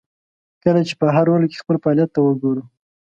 کله چې په هر رول کې خپل فعالیت ته وګورو.